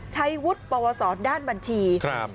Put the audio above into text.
ใช้วุฒิประวัติศาสตร์ด้านบัญชีครับ